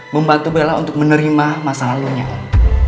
membantu bella untuk menerima masa lalunya om